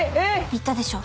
「言ったでしょ？」